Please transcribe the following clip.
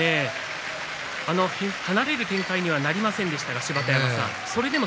離れる展開にはなりませんでしたけれども。